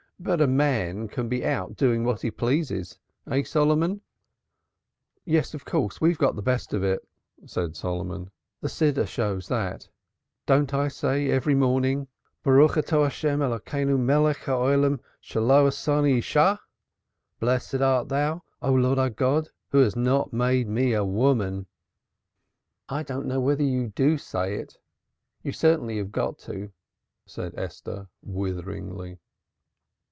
But a man can be out doing what he pleases, eh, Solomon?" "Yes, of course we've got the best of it," said Solomon. "The Prayer book shows that. Don't I say every morning 'Blessed art Thou, O Lord our God, who hast not made me a woman'?" "I don't know whether you do say it. You certainly have got to," said Esther witheringly.